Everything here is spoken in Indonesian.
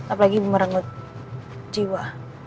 apalagi merengut jiwa